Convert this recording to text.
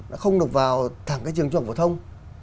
nó không được vào thẳng cái trường trung học phổ thông